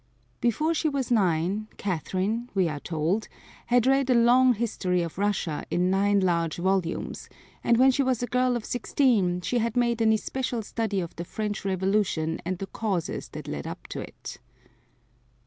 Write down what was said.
Before she was nine, Catherine, we are told, had read a long history of Russia in nine large volumes, and when she was a girl of sixteen she had made an especial study of the French Revolution and the causes that led up to it.